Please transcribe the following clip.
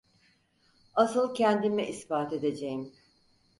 Asıl kendime ispat edececeğim…